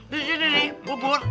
di sini nih bubur